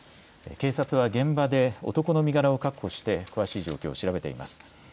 警察は現場で男の身柄を確保して詳しい状況を調べています。